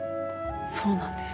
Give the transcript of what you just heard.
そうなんです。